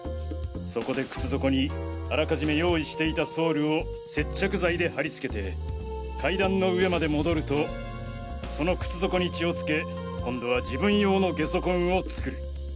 そこで靴底にあらかじめ用意していたソールを接着剤で貼りつけて階段の上まで戻るとその靴底に血をつけ今度は自分用の下足痕を作る。